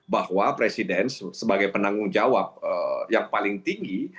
bahwa presiden sebagai penanggung jawab yang paling tinggi